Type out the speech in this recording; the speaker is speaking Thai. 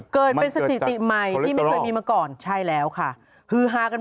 เกิดเป็นสถิติใหม่ที่ไม่เคยมีมาก่อนใช่แล้วค่ะฮือฮากัน